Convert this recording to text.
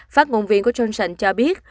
phát ngôn viên của johnson cho biết